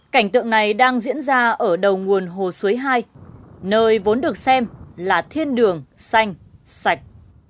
cảnh tượng này đang diễn ra ở đầu nguồn hồ suối hai nơi vốn được xem là thiên đường xanh sạch